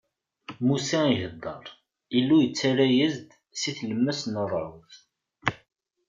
Musa iheddeṛ, Illu yettarra-as-d si tlemmast n ṛṛɛud.